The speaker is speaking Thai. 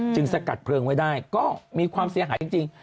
สกัดเพลิงไว้ได้ก็มีความเสียหายจริง